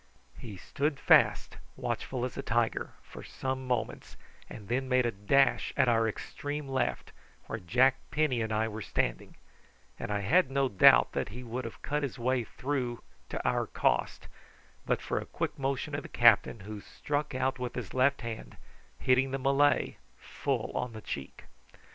He stood fast, watchful as a tiger, for some moments, and then made a dash at our extreme left, where Jack Penny and I were standing; and I have no doubt that he would have cut his way through to our cost, but for a quick motion of the captain, who struck out with his left hand, hitting the Malay full in the cheek.